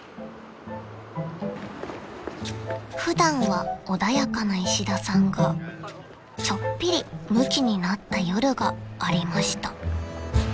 ［普段は穏やかな石田さんがちょっぴりむきになった夜がありました］